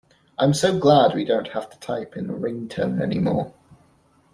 I'm so glad we don't have to type in a ring-tone anymore.